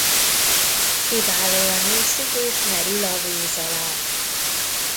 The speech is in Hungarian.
Kiválóan úszik és merül a víz alá.